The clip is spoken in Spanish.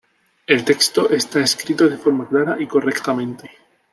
El texto está escrito de forma clara y correctamente.